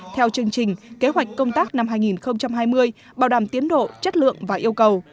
theo chương trình kế hoạch công tác năm hai nghìn hai mươi bảo đảm tiến độ chất lượng và yêu cầu